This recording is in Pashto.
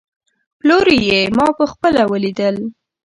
پلوري يې، ما په خپله وليدل